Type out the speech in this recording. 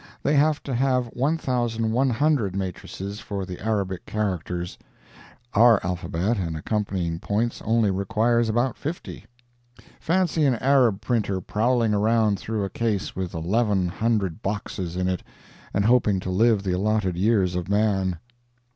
They have to have 1,100 matrices for the Arabic characters;—our alphabet and accompanying points only requires about fifty. Fancy an Arab printer prowling around through a case with eleven hundred boxes in it and hoping to live the allotted years of man!